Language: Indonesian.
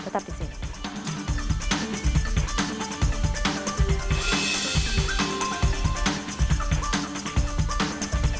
tetap di sini